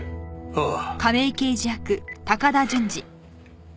ああ。